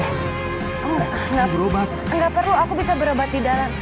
enggak perlu aku bisa berobat di dalam